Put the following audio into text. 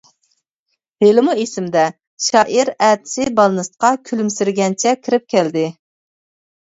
ھېلىمۇ ئېسىمدە شائىر ئەتىسى بالنىستقا كۈلۈمسىرىگەنچە كىرىپ كەلدى.